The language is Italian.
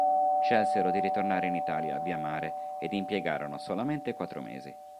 Scelsero di ritornare in Italia via mare ed impiegarono solamente quattro mesi.